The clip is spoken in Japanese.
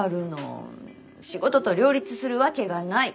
仕事と両立するわけがない。